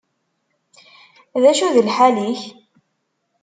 D acu d lḥal-ik?